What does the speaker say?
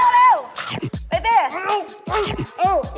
เร็ว